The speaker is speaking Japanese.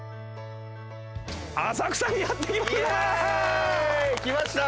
浅草にやって来ました。